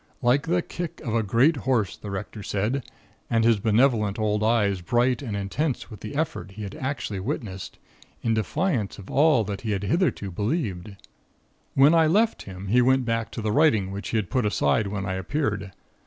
Like the kick of a great horse, the Rector said, his benevolent old eyes bright and intense with the effort he had actually witnessed, in defiance of all that he had hitherto believed. "When I left him, he went back to the writing which he had put aside when I appeared.